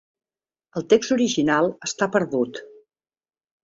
El text original està perdut.